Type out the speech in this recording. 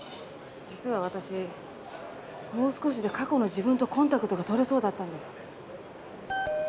実は私もう少しで過去の自分とコンタクトが取れそうだったんです。